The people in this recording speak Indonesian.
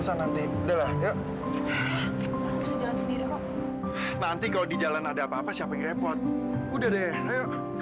siapa yang repot udah deh ayo